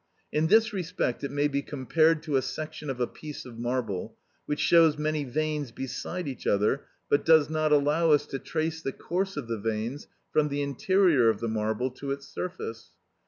In this respect it may be compared to a section of a piece of marble which shows many veins beside each other, but does not allow us to trace the course of the veins from the interior of the marble to its surface.